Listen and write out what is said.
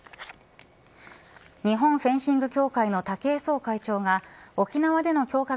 日本フェンシング協会の武井壮会長が沖縄での強化